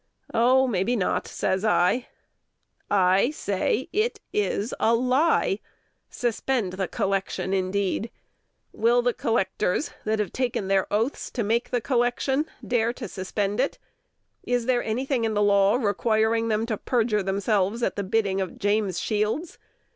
"Oh! maybe not," says I. "I say it is a lie. Suspend the collection, indeed! Will the collectors, that have taken their oaths to make the collection, dare to suspend it? Is there any thing in the law requiring them to perjure themselves at the bidding of James Shields?